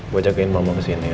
gue jagain mama kesini ya